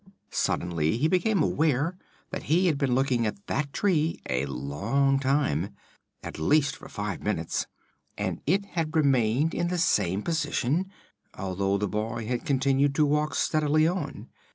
Suddenly he became aware that he had been looking at that tree a long time at least for five minutes and it had remained in the same position, although the boy had continued to walk steadily on.